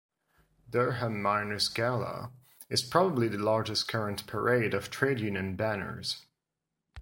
Durham Miners Gala is probably the largest current parade of trade union banners.